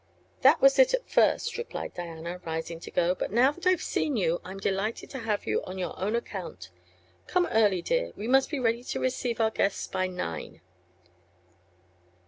"That was it, at first," replied Diana, rising to go; "but now that I've seen you I'm delighted to have you on your own account. Come early, dear; we must be ready to receive our guests by nine."